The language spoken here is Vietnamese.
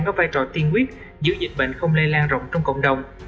có vai trò tiên quyết giữ dịch bệnh không lây lan rộng trong cộng đồng